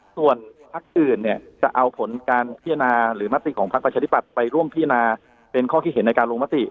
ส่วนพักอื่นเนี่ยจะเอาผลการพิจารณาหรือมติของพักประชาธิบัติไปร่วมพินาเป็นข้อคิดเห็นในการลงมติ